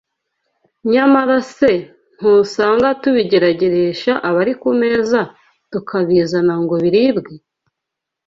nyamara se ntusanga tubigerageresha abari ku meza tukabizana ngo biribwe?